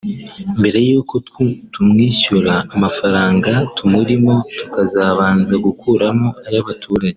mbere y’uko tumwishyura amafaranga tumurimo tukazabanza gukuramo ay’abaturage